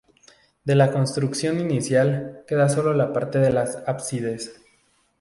De la construcción inicial queda solo la parte de las ábsides.